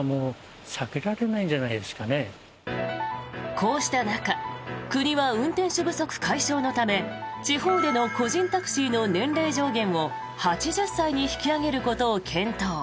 こうした中国は運転手不足解消のため地方での個人タクシーの年齢上限を８０歳に引き上げることを検討。